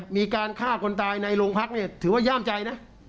มีการฆ่าคนตายในโรงพักเนี่ยถือว่าย่ามใจนะ